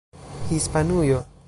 Hispanujo